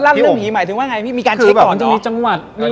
รันเรื่องผีหมายถึงว่าไงมีการเช็คก่อนเหรอ